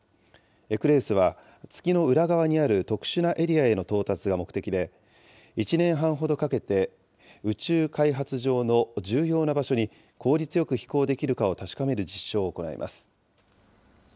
ＥＱＵＵＬＥＵＳは月の裏側にある特殊なエリアへの到達が目的で、１年半ほどかけて、宇宙開発上の重要な場所に効率よく飛行できるかを確かめる実証を行います。